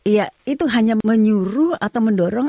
iya itu hanya menyuruh atau mendorong